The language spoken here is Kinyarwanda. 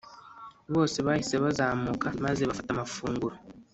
Bose bahise bazamuka maze bafata amafunguro.